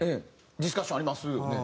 ディスカッションありますよね？